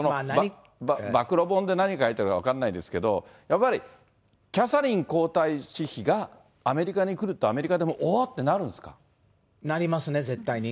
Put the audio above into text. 暴露本で何書いてるか分かんないですけど、やっぱりキャサリン皇太子妃がアメリカに来ると、アメリカでも、なりますね、絶対に。